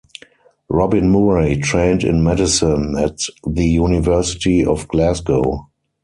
Robin Murray trained in medicine at the University of Glasgow.